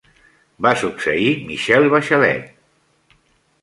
Va succeir Michelle Bachelet.